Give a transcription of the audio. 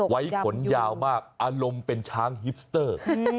ไว้ขนยาวมากอารมณ์เป็นช้างฮิปสเตอร์